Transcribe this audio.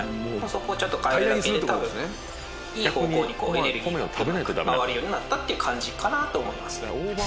そこをちょっと変えるだけで多分いい方向にこうエネルギーが回るようになったっていう感じかなと思いますね。